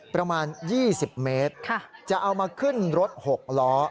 ประมาณ๒๐เมตรจะเอามาขึ้นรถ๖ล้อ